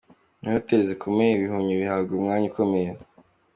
Muri hoteli zikomeye, ibihumyo bihabwa umwanya ukomeye.